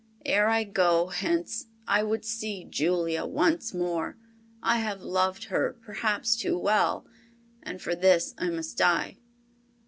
Ere I go hence I would see Julia once more. I have loved her perhaps too well, and for this I must die.